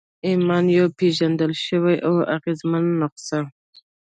ایمان یوه پېژندل شوې او اغېزمنه نسخه ده